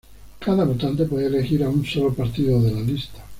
Cada votante puede elegir a un solo partido de la lista.